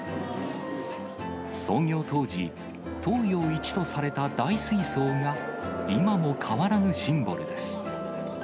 創業当時、東洋一とされた大水槽が、今も変わらぬシンボルです。